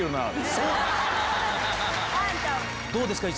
どうですか？